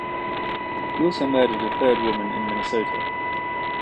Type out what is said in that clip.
He also murdered a third woman in Minnesota.